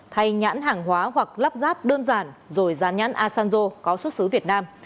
thay nhãn hàng hóa hoặc lắp ráp đơn giản rồi dán nhãn asanjo có xuất xứ việt nam